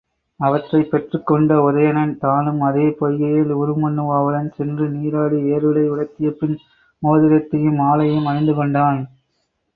அவற்றைப் பெற்றுக்கொண்ட உதயணன் தானும் அதே பொய்கையில் உருமண்ணுவாவுடன் சென்று நீராடி, வேறுடை உடுத்தியபின் மோதிரத்தையும் மாலையையும் அணிந்துகொண்டான்.